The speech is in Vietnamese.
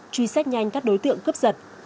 truy xét nhanh các đối tượng cướp giật